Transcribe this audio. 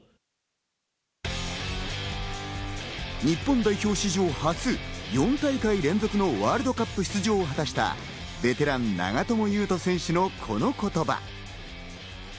日本代表史上初、４大会連続のワールドカップ出場を果たした、ベテラン・長友佑都選手の、この言葉。